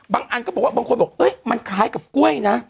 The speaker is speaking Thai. อันก็บอกว่าบางคนบอกมันคล้ายกับกล้วยนะ